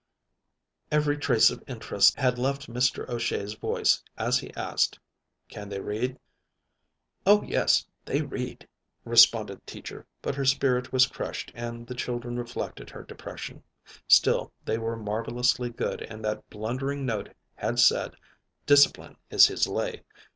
Every trace of interest had left Mr. O'Shea's voice as he asked: "Can they read?" "Oh, yes, they read," responded Teacher, but her spirit was crushed and the children reflected her depression. Still, they were marvelously good and that blundering note had said, "Discipline is his lay."